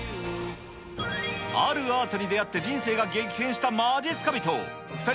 あるアートに出会って、人生が激変したまじっすか人。